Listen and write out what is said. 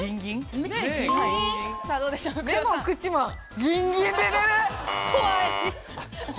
目も口もギンギンで寝る。